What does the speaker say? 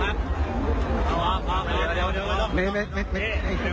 ถ้าเกิดผมทำนะพี่ลงไปนอนกลองมาพื้นตั้งนานแล้ว